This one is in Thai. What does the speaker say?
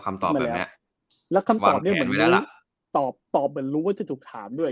คำตอบแบบเนี้ยแล้วคำตอบเนี้ยเหมือนรู้ตอบเหมือนรู้ว่าจะถูกถามด้วย